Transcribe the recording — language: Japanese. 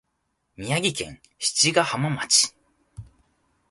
宮城県七ヶ浜町